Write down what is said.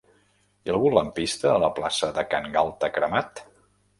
Hi ha algun lampista a la plaça de Can Galta Cremat?